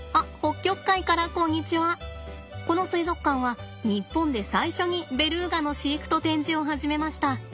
この水族館は日本で最初にベル―ガの飼育と展示を始めました。